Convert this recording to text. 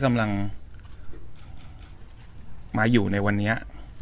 กำลังมาอยู่ในวันนี้